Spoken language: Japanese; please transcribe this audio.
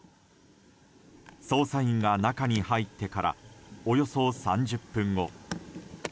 捜査員が中に入ってからおよそ３０分後。